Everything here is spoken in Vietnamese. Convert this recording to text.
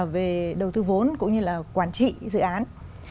về đầu tư vốn cũng như là quản trị dự án